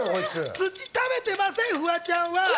土、食べてません、フワちゃんは。